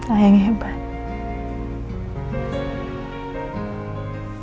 ayah yang hebat